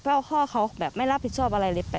ว่าพ่อเขาแบบไม่รับผิดชอบอะไรเลย